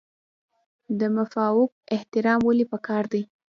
د مافوق احترام ولې پکار دی؟